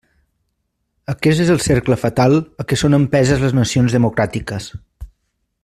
Aquest és el cercle fatal a què són empeses les nacions democràtiques.